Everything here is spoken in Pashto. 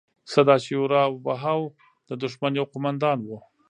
سداشیو راو بهاو د دښمن یو قوماندان و.